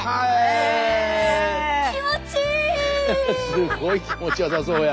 すごい気持ちよさそうや。